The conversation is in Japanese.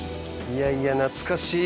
いやいや懐かしい。